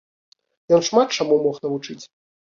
Ён шмат чаму мог навучыць.